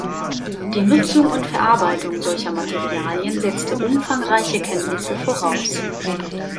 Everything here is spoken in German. Die Nutzung und Verarbeitung solcher Materialien setzte umfangreiche Kenntnisse voraus.